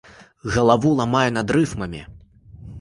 Галаву ламаю над рыфмамі.